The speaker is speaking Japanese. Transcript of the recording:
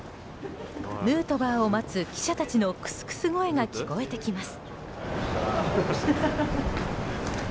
ヌートバーを待つ記者たちのクスクス声が聞こえてきます。